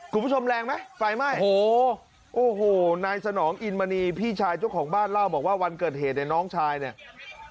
คุณผู้ชมแรงไหมไฟไหม้โอ้โหโอ้โหนายสนองอินมณีพี่ชายเจ้าของบ้านเล่าบอกว่าวันเกิดเหตุเนี่ยน้องชายเนี่ย